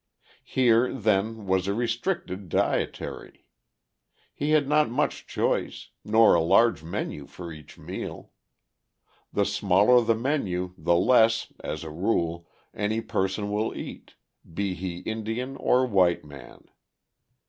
Here, then, was a restricted dietary. He had not much choice, nor a large menu for each meal. The smaller the menu the less, as a rule, any person will eat, be he Indian or white man.